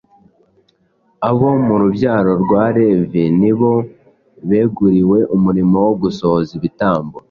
Abo mu rubyaro rwa Levi ni bo beguriwe umurimo wo gusohoza ibitambo,